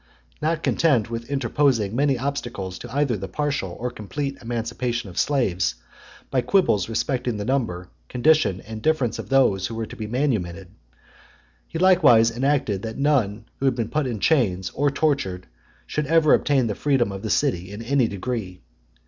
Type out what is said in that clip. Not content with interposing many obstacles to either the partial or complete emancipation of slaves, by quibbles respecting the number, condition and difference of those who were to be manumitted; he likewise enacted that none who had been put in chains or tortured, should ever obtain the freedom of the city in any degree.